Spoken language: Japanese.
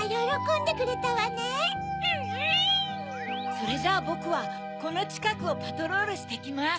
それじゃあぼくはこのちかくをパトロールしてきます。